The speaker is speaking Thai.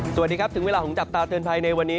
สวัสดีครับถึงเวลาของจับตาเตือนภัยในวันนี้